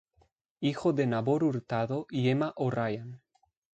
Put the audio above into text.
Hijo de Nabor Hurtado y Ema O'Ryan.